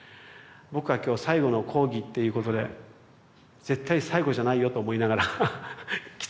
僕は今日「最後の講義」っていうことで絶対に最後じゃないよと思いながら来てますけど。